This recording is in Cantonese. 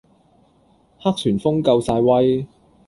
黑旋風夠晒威